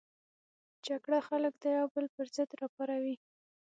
جګړه خلک د یو بل پر ضد راپاروي